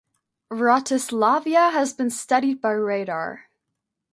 Wratislavia has been studied by radar.